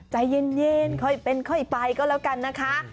ใจเย็นค่อยเป็นค่อยไปก็แล้วกันนะคะ